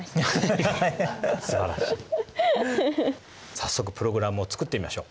早速プログラムを作ってみましょう。